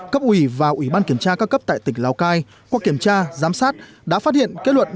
cấp ủy và ủy ban kiểm tra các cấp tại tỉnh lào cai qua kiểm tra giám sát đã phát hiện kết luận